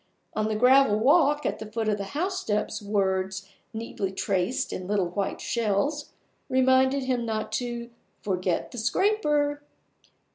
On the gravel walk at the foot of the housesteps words, neatly traced in little white shells, reminded him not to "forget the scraper".